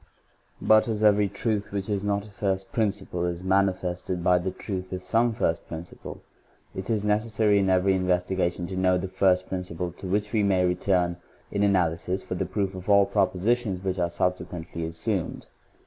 2. But as every truth which is not a first principle is manifested by the truth of some first 1 principle, it is necessary in every investigation 1 to know the first principle to which we may re V turn, in analysis, for the proof of all propositions which are subsequently assumed.